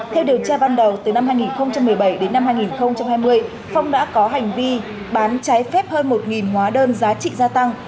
theo điều tra ban đầu từ năm hai nghìn một mươi bảy đến năm hai nghìn hai mươi phong đã có hành vi bán trái phép hơn một hóa đơn giá trị gia tăng